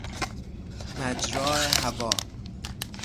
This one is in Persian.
مجرا هوا